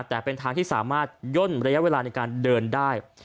แต่เป็นทางที่สามารถย่นระยะเวลาในการเดินได้